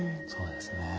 そうですね。